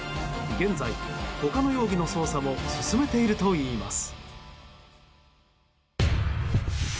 現在、他の容疑の捜査も進めているといいます。